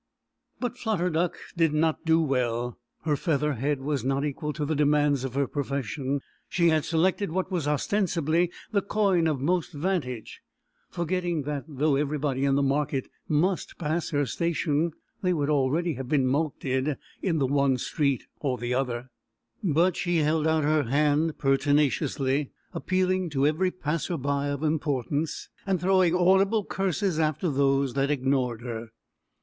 But Flutter Duck did not do well. Her feather head was not equal to the demands of her profession. She had selected what was ostensibly the coign of most vantage, forgetting that though everybody in the market must pass her station, they would already have been mulcted in the one street or the other. [Illustration: MARKET DAY IN THE GHETTO.] But she held out her hand pertinaciously, appealing to every passer by of importance, and throwing audible curses after those that ignored her.